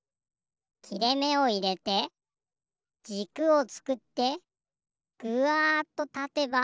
きれめをいれてじくをつくってぐわっとたてば。